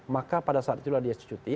maka pada saat itulah dia cuti